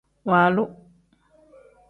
Waalu.